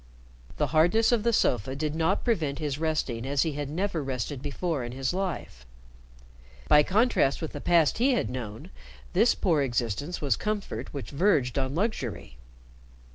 The hardness of the sofa did not prevent his resting as he had never rested before in his life. By contrast with the past he had known, this poor existence was comfort which verged on luxury.